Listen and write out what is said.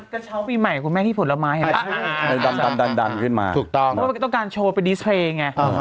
กระเช้าปีใหม่คุณแม่ที่ผลไม้ดันขึ้นมาเพราะว่าต้องการโชว์ไปดีเซร์ไง